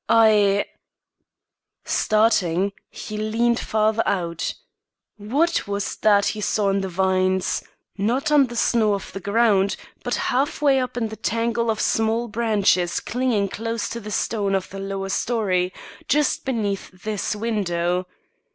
I " Starting, he leaned farther out. What was that he saw in the vines not on the snow of the ground, but half way up in the tangle of small branches clinging close to the stone of the lower story, just beneath this window?